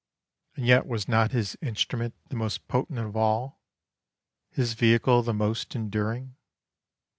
And yet was not his instrument the most potent of all, his vehicle the most enduring?